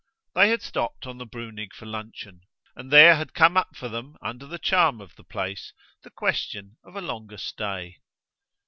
They had stopped on the Brunig for luncheon, and there had come up for them under the charm of the place the question of a longer stay.